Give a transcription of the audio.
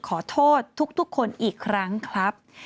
ขอโทษทุกคนอีกครั้งครับ